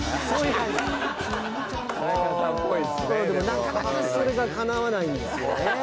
なかなかそれが叶わないんですよね。